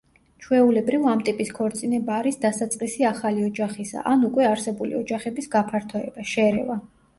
ჩვეულებრივ, ამ ტიპის ქორწინება არის დასაწყისი ახალი ოჯახისა ან უკვე არსებული ოჯახების გაფართოება, შერევა.